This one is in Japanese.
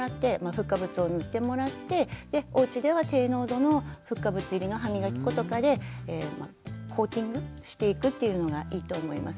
フッ化物を塗ってもらっておうちでは低濃度のフッ化物入りの歯みがき粉とかでコーティングしていくっていうのがいいと思います。